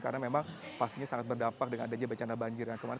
karena memang pastinya sangat berdampak dengan adanya bencana banjir yang kemarin